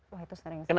wah itu sering